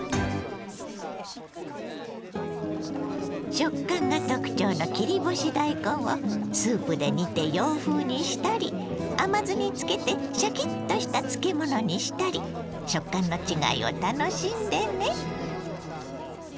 食感が特徴の切り干し大根をスープで煮て洋風にしたり甘酢に漬けてシャキッとした漬物にしたり食感の違いを楽しんでね。